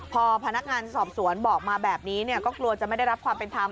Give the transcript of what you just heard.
พอพนักงานสอบสวนบอกมาแบบนี้ก็กลัวจะไม่ได้รับความเป็นธรรม